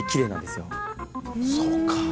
そうか。